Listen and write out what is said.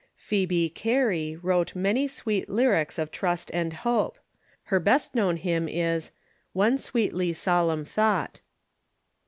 Pbcebe Gary wrote many sweet lyrics of trust and hope. Her best known hymn is "One sweetly solemn thought."